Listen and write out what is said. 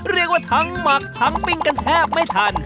เรียกว่าทั้งหมักทั้งปิ้งกันแทบไม่ทัน